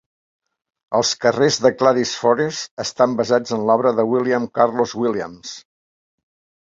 Els carrers de Clary's Forest estan basats en l'obra de William Carlos Williams.